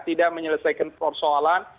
tidak menyelesaikan persoalan